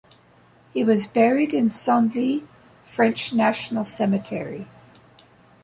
He was buried in Senlis French National Cemetery.